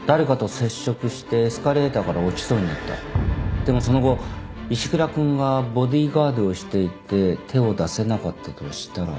でもその後石倉君がボディーガードをしていて手を出せなかったとしたら。